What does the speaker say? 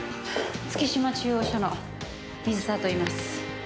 月島中央署の水沢といいます。